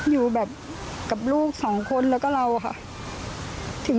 อยู่แบบกับลูกสองคนแล้วก็เราค่ะ